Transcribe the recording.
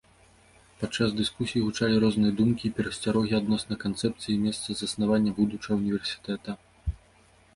Падчас дыскусіі гучалі розныя думкі і перасцярогі адносна канцэпцыі і месца заснавання будучага ўніверсітэта.